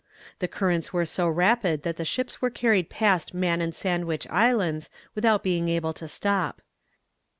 The currents were so rapid that the ships were carried past Man and Sandwich Islands, without being able to stop.